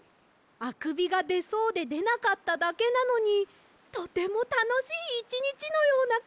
あくびがでそうででなかっただけなのにとてもたのしいいちにちのようなきがしました！